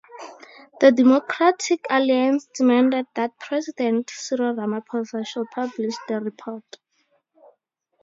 The Democratic Alliance demanded that President Cyril Ramaphosa should publish the report.